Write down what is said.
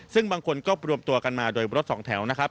ซึ่งบางคนก็รวมตัวกันมาโดยรถสองแถวนะครับ